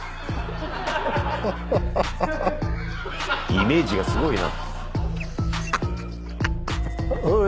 イメージがすごいな。